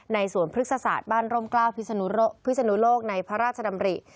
สวนพฤกษศาสตร์บ้านร่มกล้าวพิศนุโลกในพระราชดำริ